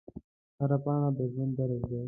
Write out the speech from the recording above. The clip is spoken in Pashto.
هره پاڼه د ژوند درس دی